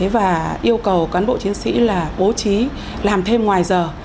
và yêu cầu cán bộ chiến sĩ bố trí làm thêm ngoài giờ